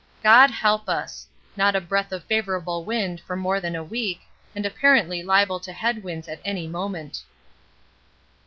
God help us! Not a breath of favourable wind for more than a week, and apparently liable to head winds at any moment.